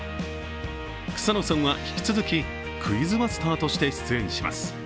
草野さんは引き続きクイズマスターとして出演します。